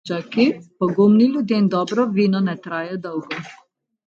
Pogumni ljudje in dobro vino ne trajajo dolgo.